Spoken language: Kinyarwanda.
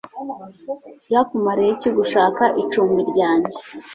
byakumariye iki gushaka icumbi ryanjye